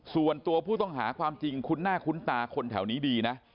ส่วนตัวผู้ต้องหาความจริงคุ้นหน้าคุ้นตาคนแถวนี้ดีนะ